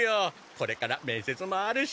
これから面接もあるし。